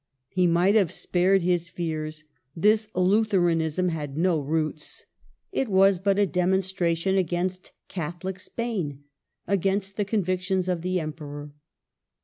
He might have spared his fears; this Lutheranism had no roots. It was but a demon stration against Catholic Spain, against the con victions of the Emperor.